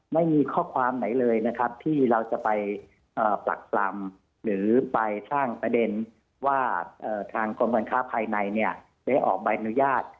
ไม่มีข้อความไหนเลยนะครับที่เราจะไปปรักปรำหรือไปสร้างประเด็นว่าทางกรมการค้าภายในเนี่ยได้ออกใบอนุญาต